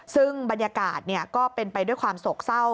ซึ่งบรรยากาศก็เป็นไปด้วยความโศกเศร้า